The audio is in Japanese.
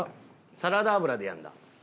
サラダ油でやるんだ。